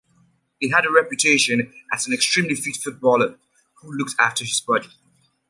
He had a reputation as an extremely fit footballer who looked after his body.